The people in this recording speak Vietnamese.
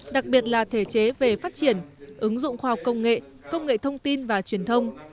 đặc biệt là thể chế về phát triển ứng dụng khoa học công nghệ công nghệ thông tin và truyền thông